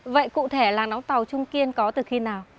vậy cụ thể làng đóng tàu trung kiên có từ khi nào